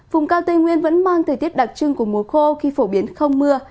vùng cao tây nguyên vẫn mang thời tiết đặc trưng của mùa khô khi phổ biến không mưa